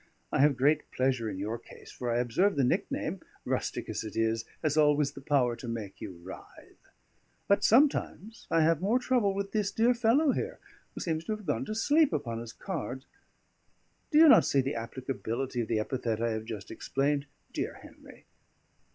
I have great pleasure in your case, for I observe the nickname (rustic as it is) has always the power to make you writhe. But sometimes I have more trouble with this dear fellow here, who seems to have gone to sleep upon his cards. Do you not see the applicability of the epithet I have just explained, dear Henry?